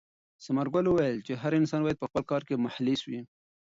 ثمرګل وویل چې هر انسان باید په خپل کار کې مخلص وي.